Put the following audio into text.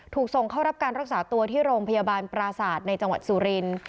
ถูกส่งเข้ารับการรักษาตัวที่โรงพยาบาลปราศาสตร์ในจังหวัดสุรินทร์